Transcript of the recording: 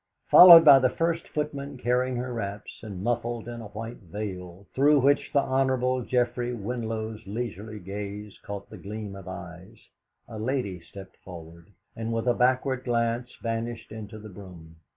Followed by the first footman carrying her wraps, and muffled in a white veil, through which the Hon. Geoffrey Winlow's leisurely gaze caught the gleam of eyes, a lady stepped forward, and with a backward glance vanished into the brougham.